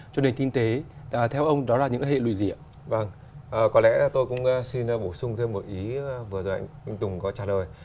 có lẽ tôi cũng xin bổ sung thêm một ý vừa rồi anh tùng có trả lời